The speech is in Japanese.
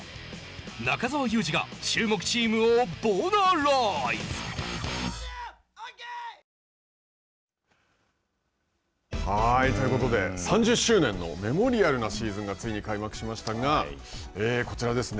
中澤佑二が注目チームをボナライズ！ということで、３０周年のメモリアルなシーズンがついに開幕しましたが、こちらですね。